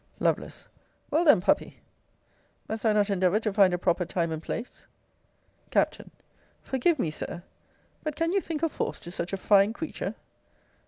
Lovel. Well, then, puppy, must I not endeavour to find a proper time and place Capt. Forgive me, Sir! but can you think of force to such a fine creature?